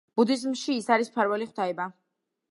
ბუდიზმში ის არის მფარველი ღვთაება.